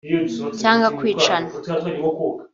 cyangwa kwicana